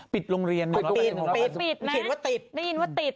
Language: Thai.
ปิดโรงเรียนปิดปิดนะได้ยินว่าปิด